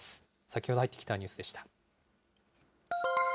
先ほど入ってきたニュースでした。